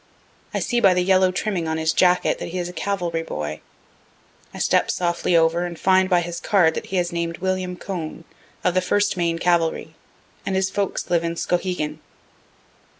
I see by the yellow trimming on his jacket that he is a cavalry boy. I step softly over and find by his card that he is named William Cone, of the 1st Maine cavalry, and his folks live in Skowhegan.